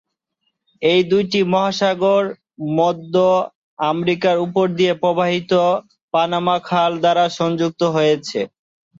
এই দুটি মহাসাগর মধ্য আমেরিকার উপর দিয়ে প্রবাহিত পানামা খাল দ্বারা সংযুক্ত হয়েছে।